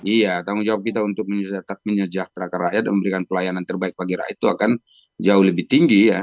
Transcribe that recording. iya tanggung jawab kita untuk menyejahterakan rakyat dan memberikan pelayanan terbaik bagi rakyat itu akan jauh lebih tinggi ya